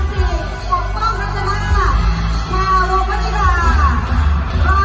แล้วก็มันก็จะเป็นแนวเหมือนกันเลย